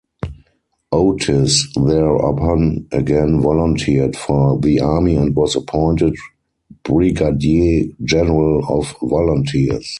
Otis thereupon again volunteered for the Army and was appointed brigadier general of volunteers.